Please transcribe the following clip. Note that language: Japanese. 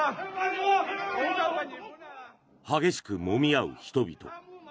激しくもみ合う人々。